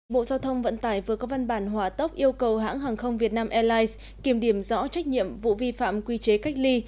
bộ giao thông vận tải vừa có văn bản hỏa tốc yêu cầu hãng hàng không việt nam airlines kiểm điểm rõ trách nhiệm vụ vi phạm quy chế cách ly